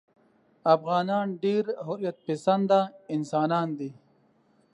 افغانان ډېر حریت پسنده انسانان دي.